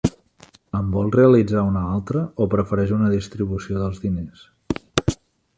En vol realitzar una altra o prefereix una distribució dels diners?